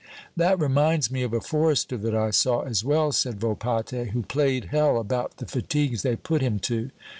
"That reminds me of a forester that I saw as well," said Volpatte, "who played hell about the fatigues they put him to.